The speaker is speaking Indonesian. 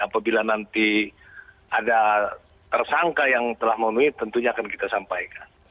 apabila nanti ada tersangka yang telah memenuhi tentunya akan kita sampaikan